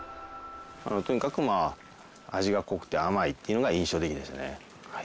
とにかくまあ味が濃くて甘いっていうのが印象的でしたね。